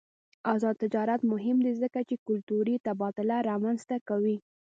آزاد تجارت مهم دی ځکه چې کلتوري تبادله رامنځته کوي.